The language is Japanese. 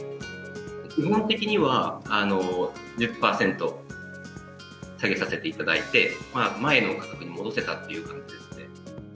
基本的には１０％下げさせていただいて、前の価格に戻せたっていう形ですね。